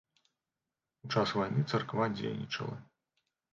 У час вайны царква дзейнічала.